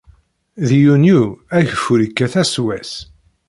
Di yunyu, ageffur ikkat asewwas.